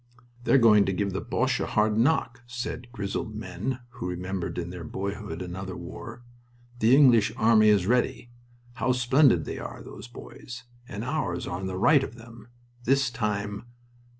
"They are going to give the Boches a hard knock," said grizzled men, who remembered in their boyhood another war. "The English army is ready. How splendid they are, those boys! And ours are on the right of them. This time